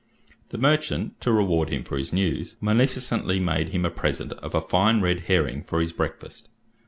The merchant, to reward him for his news, munificently made him a present of a fine red herring for his breakfast.